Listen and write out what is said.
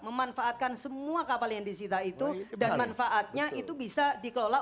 memanfaatkan semua kapal yang disita itu dan manfaatnya itu bisa dikelola